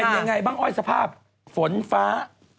เป็นยังไงบ้างอ้อยสภาพฝนฟ้า